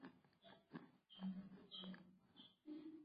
Itsinda ryabana bahagaze munsi yibendera